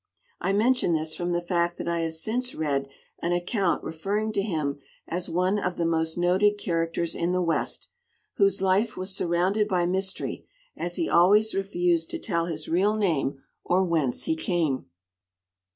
I mention this from the fact that I have since read an account referring to him as one of the most noted characters in the West, whose life was surrounded by mystery, as he always refused to tell his real name or whence he came.